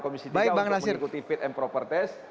komisi tiga untuk mengikuti fit and proper test